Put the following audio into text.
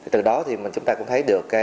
từ đó thì chúng ta cũng thấy được